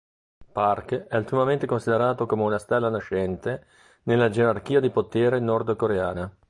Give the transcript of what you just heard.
Pak è ultimamente considerato come una "stella nascente" nella gerarchia di potere nordcoreana.